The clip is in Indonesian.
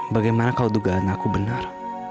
bagaimana kalau dugaan aku benar